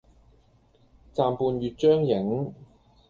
暫伴月將影，